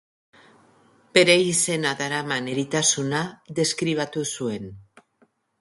Bere izena daraman eritasuna deskribatu zuen.